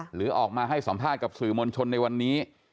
หรือออกมาให้สัมภาษณ์กับสื่อมวลชนในวันนี้